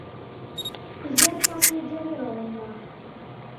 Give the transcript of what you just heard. ژر پاکي جامې واغونده !